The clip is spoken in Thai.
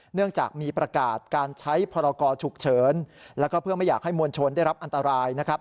เนื่องจากมีประกาศการใช้พรกรฉุกเฉินแล้วก็เพื่อไม่อยากให้มวลชนได้รับอันตรายนะครับ